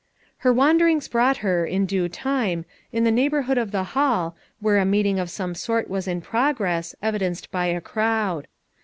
Her wanderings brought her, in due time, in the neighborhood of the Hall, where a meeting of some sort was in progress, evidenced by a crowd.